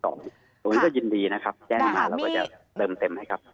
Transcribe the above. ตรงนี้ก็ยินดีนะครับแจ้งมาแล้วก็จะเติมเต็มให้ครับ